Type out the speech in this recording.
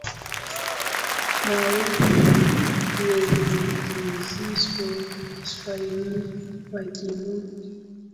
Mawenge yenye kijicho, kiswahili wakivunge,